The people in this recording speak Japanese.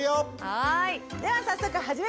はい。